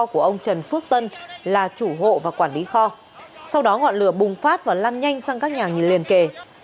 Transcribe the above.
của ông trần phước tân là chủ hộ và quản lý kho sau đó ngọn lửa bùng phát và lan nhanh sang các nhà nhìn liên kề